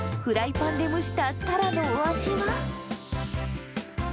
フライパンで蒸したタラのお味は。